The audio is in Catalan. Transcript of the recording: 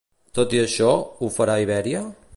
Tot i això, ho farà Ibèria?